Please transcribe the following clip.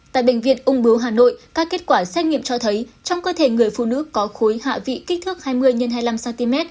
tại bệnh viện ung bưu hà nội các kết quả xét nghiệm cho thấy trong cơ thể người phụ nữ có khối hạ vị kích thước hai mươi x hai mươi năm cm